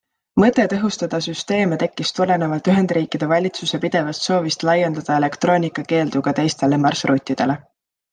Mõte tõhustada süsteeme tekkis tulenevalt Ühendriikide valitsuse pidevast soovist laiendada elektroonikakeeldu ka teistele marsruutidele.